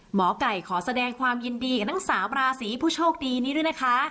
หมอไก่ขอแสดงความยินดีกับทั้ง๓ราศีผู้โชคดีนี้ด้วยนะคะ